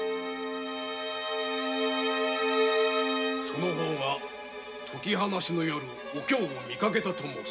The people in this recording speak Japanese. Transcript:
そちが解き放しの夜お京を見かけたのか？